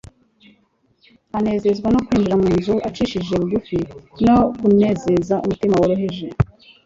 Anezezwa no kwinjira mu nzu icishije bugufi no kunezeza umutima woroheje.